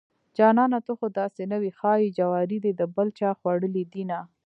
جانانه ته خوداسې نه وې ښايي جواري دې دبل چاخوړلي دينه